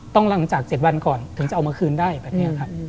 หลังจาก๗วันก่อนถึงจะเอามาคืนได้แบบนี้ครับ